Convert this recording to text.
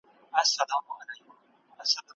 ایا نه رسول کېږي؟